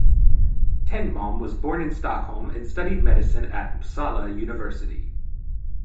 Tengmalm was born in Stockholm and studied medicine at Uppsala University.